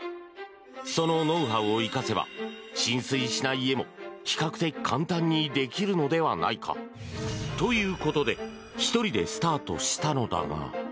そのノウハウを生かせば浸水しない家も比較的簡単にできるのではないか？ということで１人でスタートしたのだが。